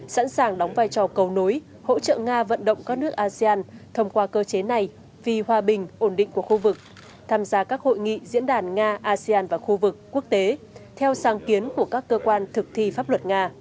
sẵn sàng đóng vai trò cầu nối hỗ trợ nga vận động các nước asean thông qua cơ chế này vì hòa bình ổn định của khu vực tham gia các hội nghị diễn đàn nga asean và khu vực quốc tế theo sáng kiến của các cơ quan thực thi pháp luật nga